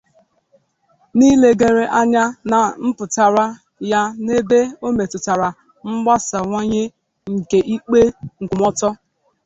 n'ilegara anya nà mpụtara ya n'ebe o mètụtàrà mgbasàwanye nke ikpe nkwụmọtọ